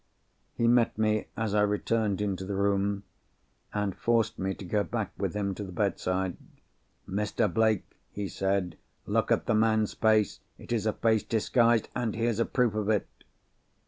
He met me, as I returned into the room, and forced me to go back with him to the bedside. "Mr. Blake!" he said. "Look at the man's face. It is a face disguised—and here's the proof of it!"